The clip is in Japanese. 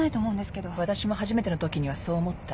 わたしも初めての時にはそう思った。